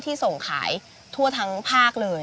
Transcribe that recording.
ที่ส่งขายทั่วทั้งภาคเลย